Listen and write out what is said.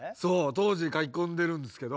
当時書き込んでるんですけど。